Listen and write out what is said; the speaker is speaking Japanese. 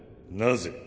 なぜ？